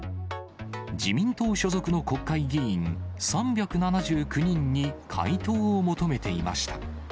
自民党所属の国会議員３７９人に回答を求めていました。